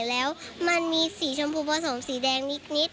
แล้วมันมีสีชมพูผสมสีแดงนิด